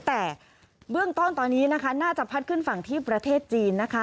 แต่เบื้องต้นตอนนี้นะคะน่าจะพัดขึ้นฝั่งที่ประเทศจีนนะคะ